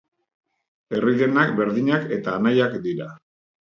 Herri denak berdinak eta anaiak dira.